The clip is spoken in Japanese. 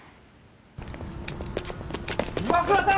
岩倉さん！